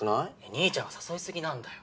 兄ちゃんが誘い過ぎなんだよ。